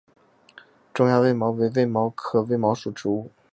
中亚卫矛为卫矛科卫矛属的植物。